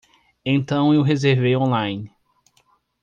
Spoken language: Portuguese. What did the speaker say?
Então eu reservei online.